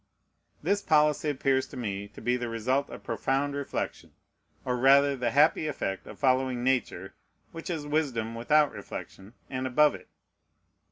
This policy appears to me to be the result of profound reflection, or rather the happy effect of following Nature, which is wisdom without reflection, and above it.